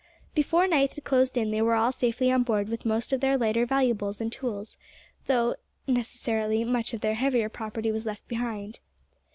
Before night had closed in they were all safely on board with most of their lighter valuables and tools, though, necessarily, much of their heavier property was left behind.